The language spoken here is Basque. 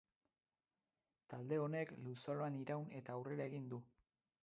Talde honek luzaroan iraun eta aurrera egin du.